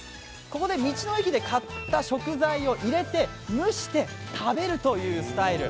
ここで道の駅で買った食材を入れて蒸して食べるというスタイル